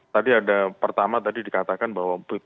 tadi ada pertama tadi dikatakan bahwa